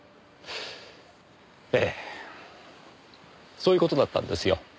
ええそういう事だったんですよ。